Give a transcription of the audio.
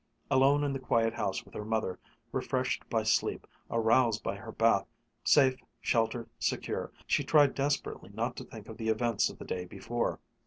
Alone in the quiet house with her mother, refreshed by sleep, aroused by her bath, safe, sheltered, secure, she tried desperately not to think of the events of the day before.